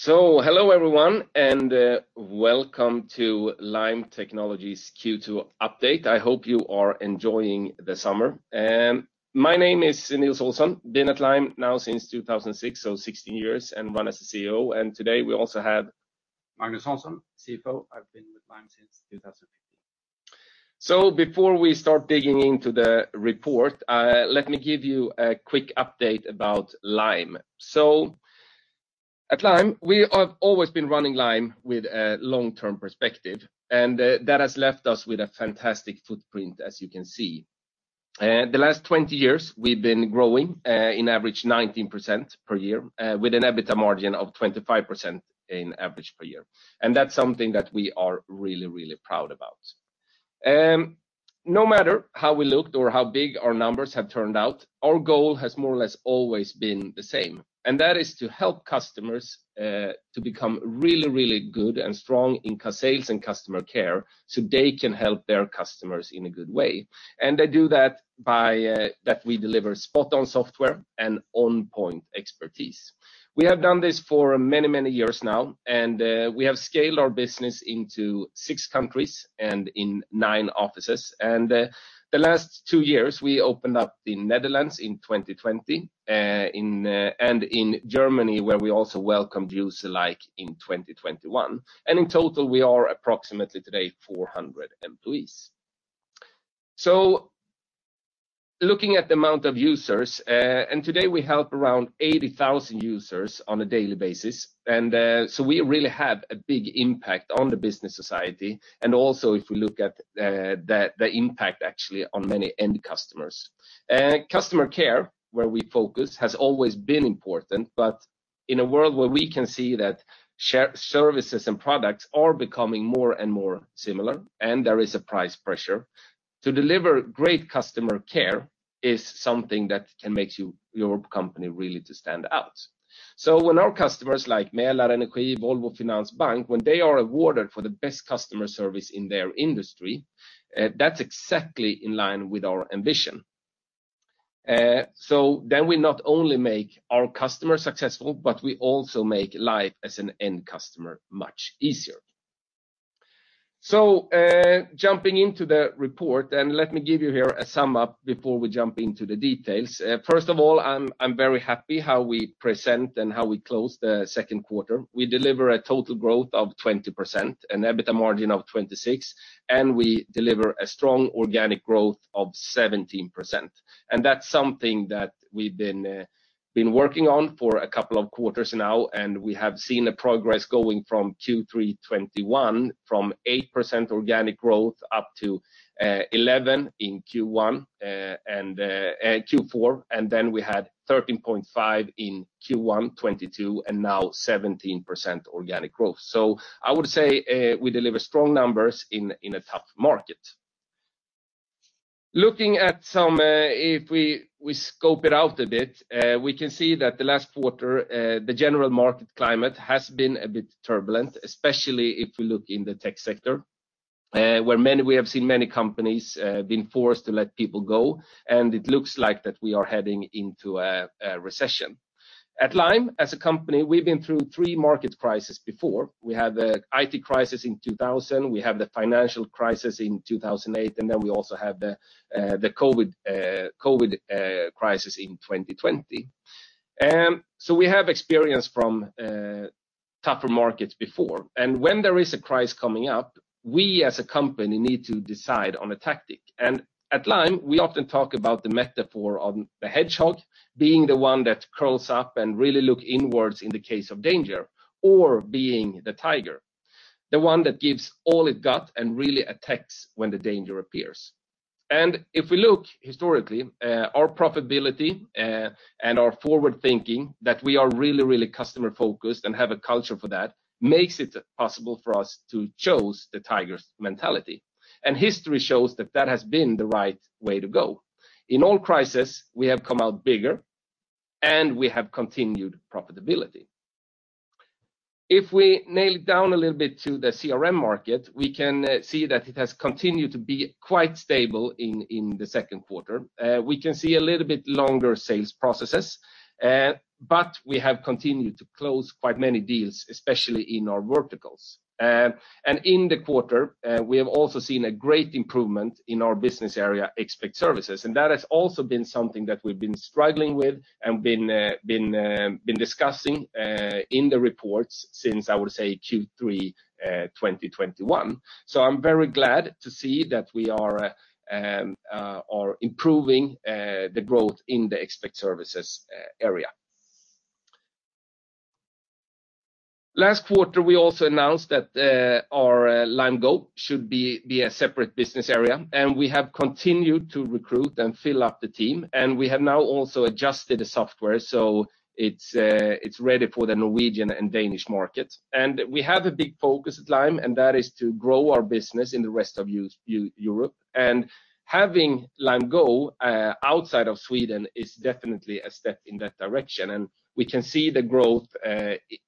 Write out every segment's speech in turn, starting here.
Hello everyone and welcome to Lime Technologies Q2 Update. I hope you are enjoying the summer. My name is Nils Olsson. Been at Lime now since 2006, so 16 years, and run as the CEO. Today we also have- Magnus Hansson, CFO. I've been with Lime since 2015. Before we start digging into the report, let me give you a quick update about Lime. At Lime, we have always been running Lime with a long-term perspective, and that has left us with a fantastic footprint as you can see. The last 20 years we've been growing in average 19% per year with an EBITDA margin of 25% in average per year. That's something that we are really, really proud about. No matter how we looked or how big our numbers have turned out, our goal has more or less always been the same, and that is to help customers to become really, really good and strong in sales and customer care, so they can help their customers in a good way. They do that by that we deliver spot on software and on point expertise. We have done this for many years now, and we have scaled our business into six countries and in nine offices. The last two years, we opened up the Netherlands in 2020 and in Germany, where we also welcomed Userlike in 2021. In total, we are approximately today 400 employees. Looking at the amount of users, and today we help around 80,000 users on a daily basis, and so we really have a big impact on the business society, and also if we look at the impact actually on many end customers. Customer care, where we focus, has always been important, but in a world where we can see that services and products are becoming more and more similar, and there is a price pressure, to deliver great customer care is something that can make your company really to stand out. When our customers like Mälarenergi, Volvofinans Bank, when they are awarded for the best customer service in their industry, that's exactly in line with our ambition. Then we not only make our customers successful, but we also make life as an end customer much easier. Jumping into the report, and let me give you here a sum up before we jump into the details. First of all, I'm very happy how we present and how we close the second quarter. We deliver a total growth of 20%, an EBITDA margin of 26%, and we deliver a strong organic growth of 17%. That's something that we've been working on for a couple of quarters now, and we have seen a progress going from Q3 2021 8% organic growth up to 11% in Q1 and Q4, and then we had 13.5% in Q1 2022, and now 17% organic growth. I would say we deliver strong numbers in a tough market. Looking at some, if we scope it out a bit, we can see that the last quarter, the general market climate has been a bit turbulent, especially if we look in the tech sector, where we have seen many companies being forced to let people go, and it looks like that we are heading into a recession. At Lime, as a company, we've been through three market crises before. We had the IT crisis in 2000, we have the financial crisis in 2008, and then we also had the COVID crisis in 2020. We have experience from tougher markets before. When there is a crisis coming up, we as a company need to decide on a tactic. At Lime, we often talk about the metaphor of the hedgehog being the one that curls up and really look inwards in the case of danger, or being the tiger, the one that gives all it got and really attacks when the danger appears. If we look historically, our profitability, and our forward thinking that we are really, really customer-focused and have a culture for that makes it possible for us to choose the tiger's mentality. History shows that that has been the right way to go. In all crisis, we have come out bigger, and we have continued profitability. If we nail down a little bit to the CRM market, we can see that it has continued to be quite stable in the second quarter. We can see a little bit longer sales processes, but we have continued to close quite many deals, especially in our verticals. In the quarter, we have also seen a great improvement in our business area, Expert Services. That has also been something that we've been struggling with and been discussing in the reports since, I would say, Q3 2021. I'm very glad to see that we are improving the growth in the Expert Services area. Last quarter, we also announced that our Lime Go should be a separate business area, and we have continued to recruit and fill up the team, and we have now also adjusted the software, so it's ready for the Norwegian and Danish markets. We have a big focus at Lime, and that is to grow our business in the rest of Europe. Having Lime Go outside of Sweden is definitely a step in that direction, and we can see the growth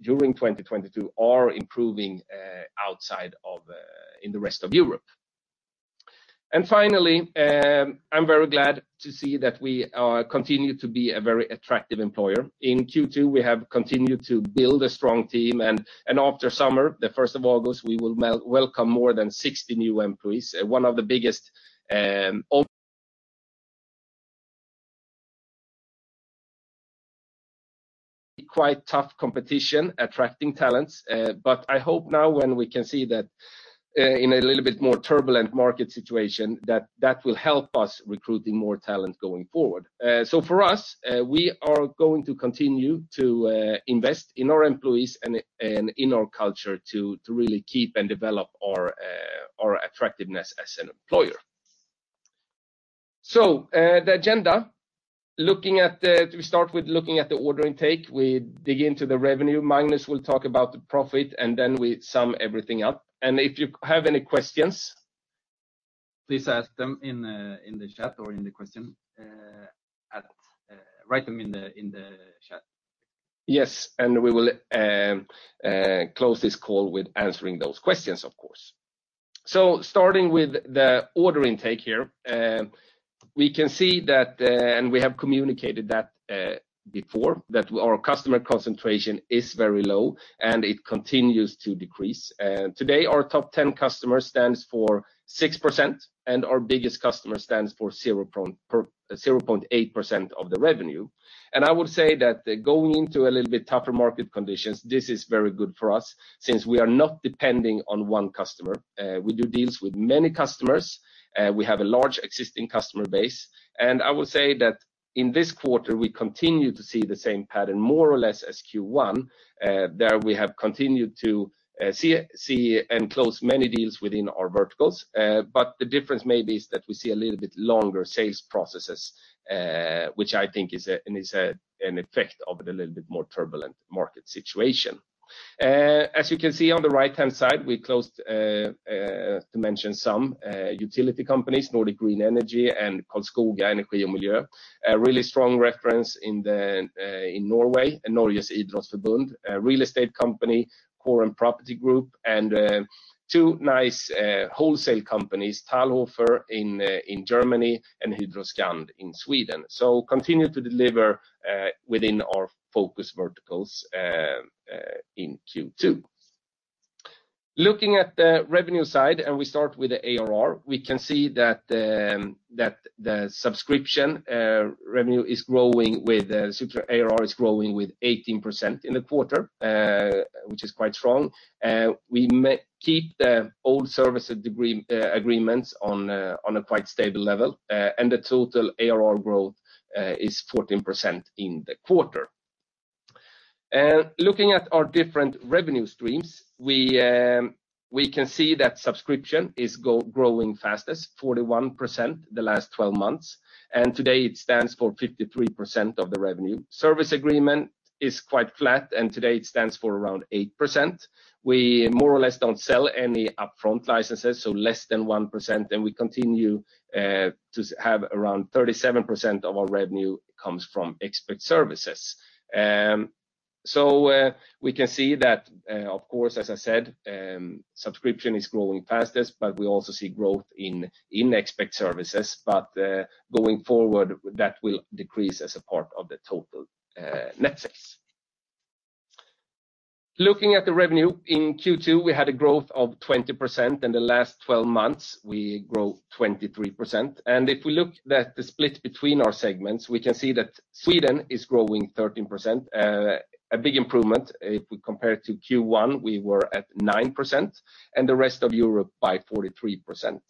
during 2022 are improving outside of in the rest of Europe. Finally, I'm very glad to see that we continue to be a very attractive employer. In Q2, we have continued to build a strong team, and after summer, the first of August, we will welcome more than 60 new employees. Quite tough competition attracting talents. But I hope now when we can see that in a little bit more turbulent market situation, that will help us recruiting more talent going forward. For us, we are going to continue to invest in our employees and in our culture to really keep and develop our attractiveness as an employer. The agenda. We start with looking at the order intake. We dig into the revenue. Magnus will talk about the profit, and then we sum everything up. If you have any questions. Please ask them in the chat or write them in the chat. Yes, we will close this call with answering those questions, of course. Starting with the order intake here, we can see that, and we have communicated that, before, that our customer concentration is very low, and it continues to decrease. Today our top 10 customers stands for 6%, and our biggest customer stands for 0.8% of the revenue. I would say that going into a little bit tougher market conditions, this is very good for us since we are not depending on one customer. We do deals with many customers. We have a large existing customer base. I would say that in this quarter, we continue to see the same pattern more or less as Q1. There we have continued to see and close many deals within our verticals. The difference is that we see a little bit longer sales processes, which I think is an effect of a little bit more turbulent market situation. As you can see on the right-hand side, we closed, to mention some utility companies, Nordic Green Energy and Karlskoga Energi & Miljö. A really strong reference in Norway, Norges idrettsforbund, a real estate company, Corum Property Group, and two nice wholesale companies, Thalhofer in Germany and Hydroscand in Sweden. Continue to deliver within our focus verticals in Q2. Looking at the revenue side, we start with the ARR, we can see that the subscription ARR is growing with 18% in the quarter, which is quite strong. We keep the old service agreements on a quite stable level, and the total ARR growth is 14% in the quarter. Looking at our different revenue streams, we can see that subscription is growing fastest, 41% the last 12 months. Today it stands for 53% of the revenue. Service agreement is quite flat, and today it stands for around 8%. We more or less don't sell any upfront licenses, so less than 1%, and we continue to have around 37% of our revenue comes from Expert Services. We can see that, of course, as I said, subscription is growing fastest, but we also see growth in Expert Services. Going forward, that will decrease as a part of the total net sales. Looking at the revenue in Q2, we had a growth of 20%. In the last 12 months, we grow 23%. If we look at the split between our segments, we can see that Sweden is growing 13%. A big improvement if we compare to Q1, we were at 9%, and the rest of Europe by 43%.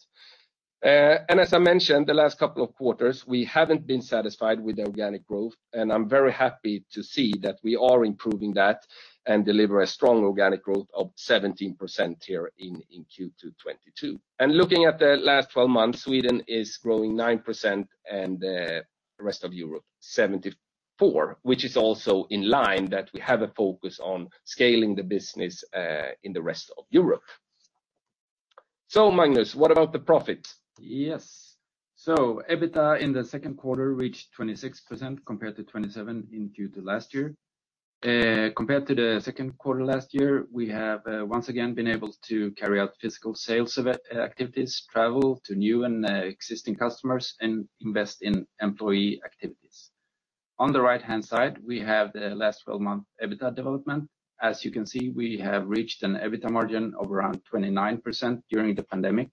As I mentioned, the last couple of quarters, we haven't been satisfied with the organic growth, and I'm very happy to see that we are improving that and deliver a strong organic growth of 17% here in Q2 2022. Looking at the last 12 months, Sweden is growing 9% and rest of Europe 74%, which is also in line, that we have a focus on scaling the business in the rest of Europe. Magnus, what about the profit? Yes. EBITDA in the second quarter reached 26% compared to 27% in Q2 last year. Compared to the second quarter last year, we have once again been able to carry out physical sales event activities, travel to new and existing customers, and invest in employee activities. On the right-hand side, we have the last 12-month EBITDA development. As you can see, we have reached an EBITDA margin of around 29% during the pandemic.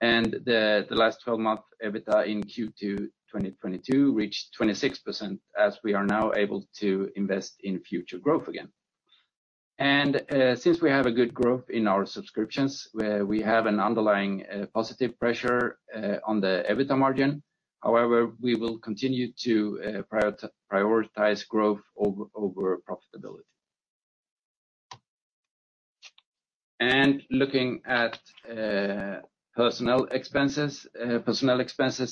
The last 12-month EBITDA in Q2 2022 reached 26% as we are now able to invest in future growth again. Since we have a good growth in our subscriptions, where we have an underlying positive pressure on the EBITDA margin, however, we will continue to prioritize growth over profitability. Looking at personnel expenses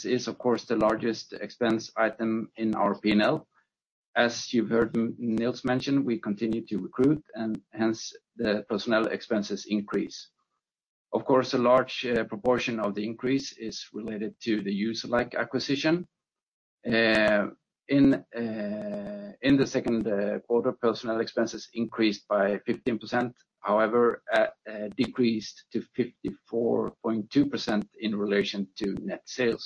is of course the largest expense item in our P&L. As you've heard Nils mention, we continue to recruit and hence the personnel expenses increase. Of course, a large proportion of the increase is related to the Userlike acquisition. In the second quarter, personnel expenses increased by 15%. However, decreased to 54.2% in relation to net sales.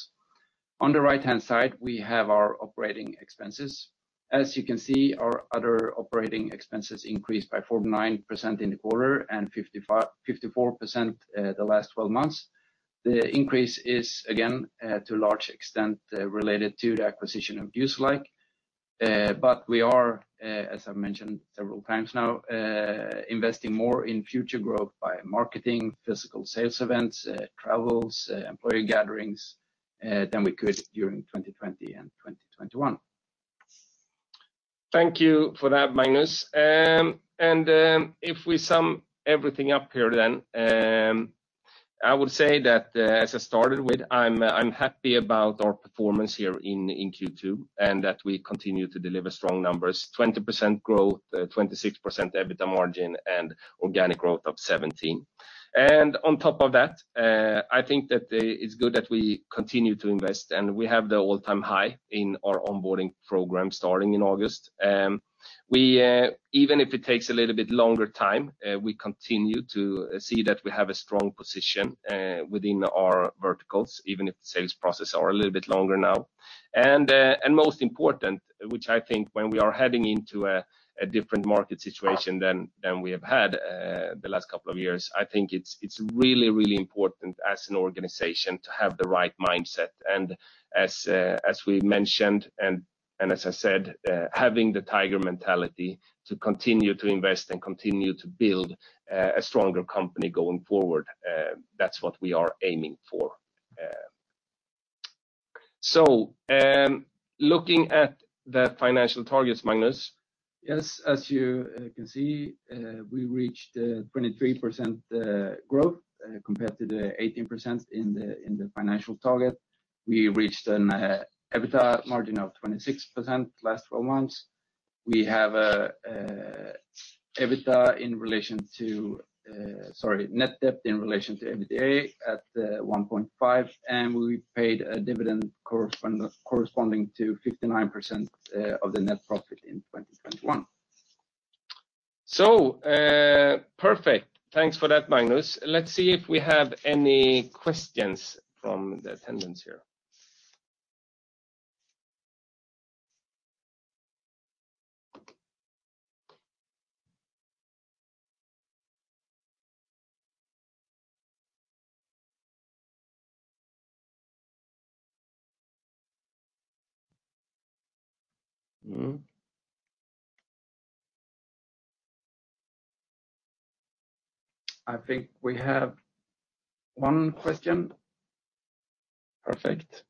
On the right-hand side, we have our operating expenses. As you can see, our other operating expenses increased by 49% in the quarter and 54% the last 12 months. The increase is again to a large extent related to the acquisition of Userlike. We are, as I've mentioned several times now, investing more in future growth by marketing, physical sales events, travels, employee gatherings, than we could during 2020 and 2021. Thank you for that, Magnus. If we sum everything up here then, I would say that, as I started with, I'm happy about our performance here in Q2, and that we continue to deliver strong numbers. 20% growth, 26% EBITDA margin, and organic growth of 17%. On top of that, I think that it's good that we continue to invest, and we have the all-time high in our onboarding program starting in August. We even if it takes a little bit longer time, we continue to see that we have a strong position within our verticals, even if the sales process are a little bit longer now. Most important, which I think when we are heading into a different market situation than we have had the last couple of years, I think it's really important as an organization to have the right mindset. As we mentioned and as I said, having the Tiger mentality to continue to invest and continue to build a stronger company going forward, that's what we are aiming for. Looking at the financial targets, Magnus. Yes. As you can see, we reached 23% growth compared to the 18% in the financial target. We reached an EBITDA margin of 26% last four months. We have a net debt in relation to EBITDA at 1.5. We paid a dividend corresponding to 59% of the net profit in 2021. Perfect. Thanks for that, Magnus. Let's see if we have any questions from the attendees here. I think we have one question. Perfect.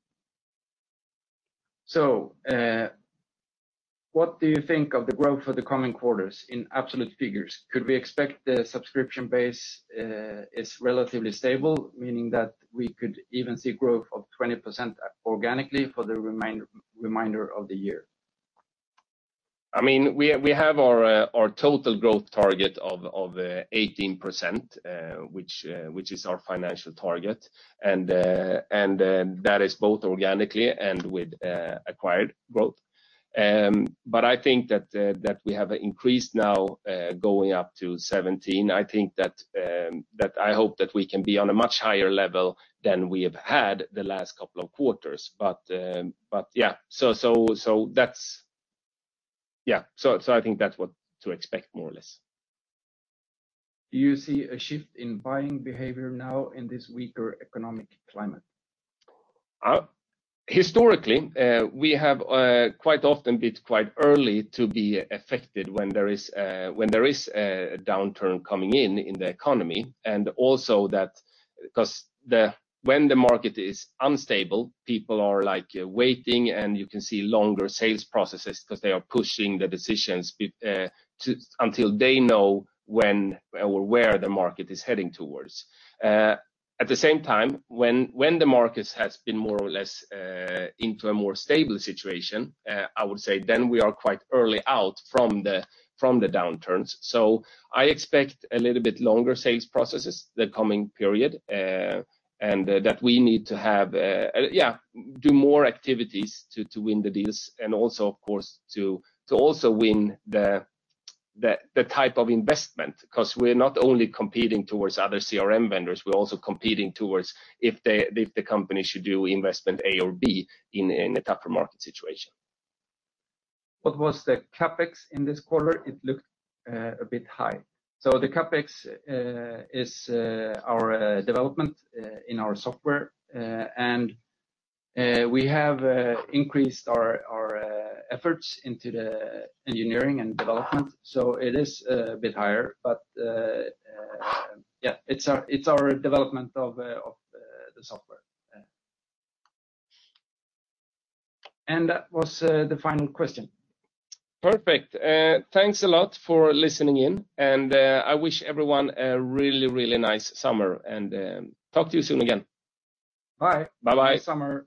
What do you think of the growth for the coming quarters in absolute figures? Could we expect the subscription base is relatively stable, meaning that we could even see growth of 20% organically for the remainder of the year? I mean, we have our total growth target of 18%, which is our financial target. That is both organically and with acquired growth. I think that we have increased now, going up to 17%. I think that I hope that we can be on a much higher level than we have had the last couple of quarters. Yeah. I think that's what to expect more or less. Do you see a shift in buying behavior now in this weaker economic climate? Historically, we have quite often been quite early to be affected when there is a downturn coming in the economy. When the market is unstable, people are like waiting, and you can see longer sales processes because they are pushing the decisions to until they know when or where the market is heading towards. At the same time, when the markets has been more or less into a more stable situation, I would say then we are quite early out from the downturns. I expect a little bit longer sales processes the coming period, and that we need to have do more activities to win the deals and also of course to also win the type of investment. Because we're not only competing towards other CRM vendors, we're also competing towards if the company should do investment A or B in a tougher market situation. What was the CapEx in this quarter? It looked a bit high. The CapEx is our development in our software. We have increased our efforts into the engineering and development, so it is a bit higher. Yeah, it's our development of the software. Yeah. That was the final question. Perfect. Thanks a lot for listening in. I wish everyone a really, really nice summer. Talk to you soon again. Bye. Bye-bye. Have a good summer.